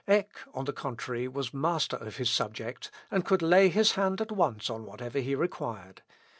Eck, on the contrary, was master of his subject, and could lay his hand at once on whatever he required.